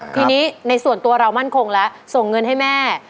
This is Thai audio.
ทีนี้ในส่วนตัวเรามั่นคงแล้วส่งเงินให้แม่